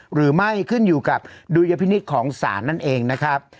หรือไม่ขึ้นอยู่กับดุลยพินิษฐ์ของศาลนั่นเองนะครับ